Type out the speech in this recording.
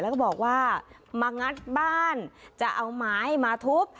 แล้วก็บอกว่ามางัดบ้านจะเอาไม้มาทุบ